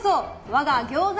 我が餃子